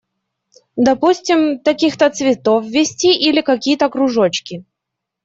Допустим, таких-то цветов ввести, или какие-то кружочки.